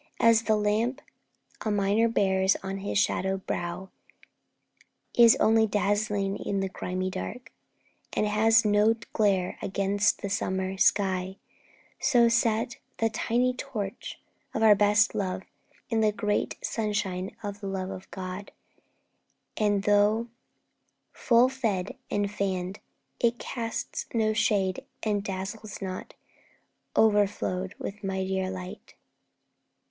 As the lamp A miner bears upon his shadowed brow Is only dazzling in the grimy dark, And has no glare against the summer sky, So, set the tiny torch of our best love In the great sunshine of the love of God, And, though full fed and fanned, it casts no shade And dazzles not, o'erflowed with mightier light.'